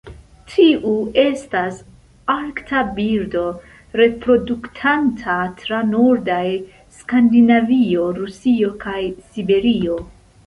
Tiu estas arkta birdo, reproduktanta tra nordaj Skandinavio, Rusio kaj Siberio.